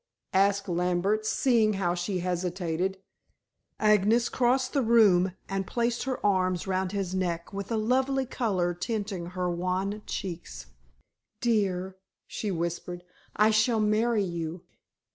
asked Lambert, seeing how she hesitated. Agnes crossed the room and placed her arms round his neck with a lovely color tinting her wan cheeks. "Dear," she whispered, "I shall marry you.